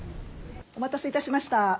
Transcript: お待たせいたしました。